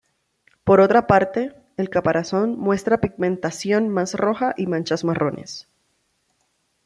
Por otra parte, el caparazón muestra pigmentación más roja y manchas marrones.